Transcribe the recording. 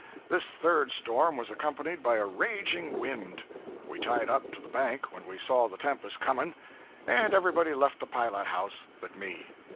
This third storm was accompanied by a raging wind. We tied up to the bank when we saw the tempest coming, and everybody left the pilot house but me.